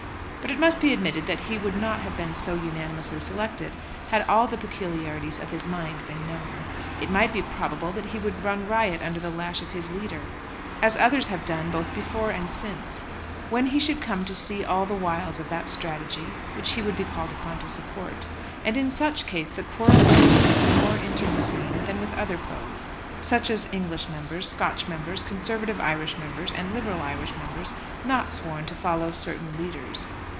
But it must be admitted that he would not have been so unanimously selected had all the peculiarities of his mind been known. It might be probable that he would run riot under the lash of his leader, as others have done both before and since, when he should come to see all the wiles of that strategy which he would be called upon to support. And in such case the quarrel with him would be more internecine than with other foes, such as English members, Scotch members, Conservative Irish members, and Liberal Irish members, not sworn to follow certain leaders.